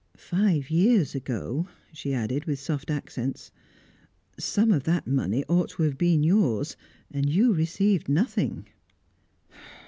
Five years ago," she added, with soft accents, "some of that money ought to have been yours, and you received nothing."